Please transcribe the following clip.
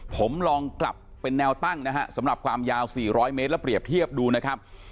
ผมลองกลับเป็นแนวตั้งนะฮะสำหรับความยาว๔๐๐เมตรแล้วเปรียบเทียบดูนะครับ